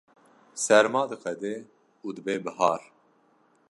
serma diqede û dibe bihar